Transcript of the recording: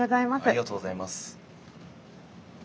ありがとうございます。